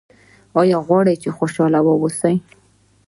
ایا غواړئ چې خوشحاله اوسئ؟